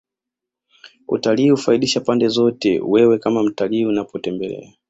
utalii hufaidisha pande zote Wewe kama mtalii unapotembelea